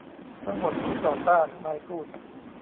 ทั้งหมดที่ต่อต้าน นายพูด